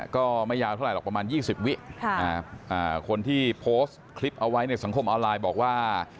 ก็ไม่ยาวเท่าไหรหรอกประมาณ๒๐วิคนที่โพสต์คลิปเอาไว้ในสังคมออนไลน์บอกว่า